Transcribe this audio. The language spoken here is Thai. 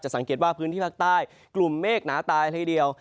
สังเกตว่าพื้นที่ภาคใต้กลุ่มเมฆหนาตายเลยทีเดียว